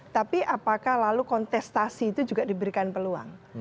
tapi apakah lalu kontestasi itu juga diberikan peluang